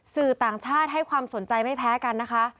สื่อต่างชาติให้ความสนใจไม่แพ้กันนะคะ